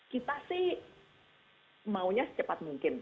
kita sih maunya secepat mungkin